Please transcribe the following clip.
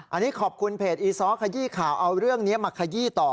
อันนี้ขอบคุณเพจอีซ้อขยี้ข่าวเอาเรื่องนี้มาขยี้ต่อ